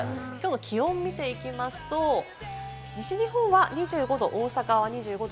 気温を見ていきますと、西日本は２５度、大阪は２５度。